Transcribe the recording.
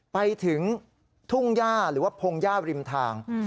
ไปถึงทุ่งย่าหรือว่าพงหญ้าริมทาง